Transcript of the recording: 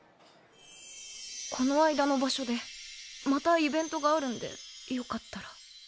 この間の場所でまたイベントがあるんでよかったら。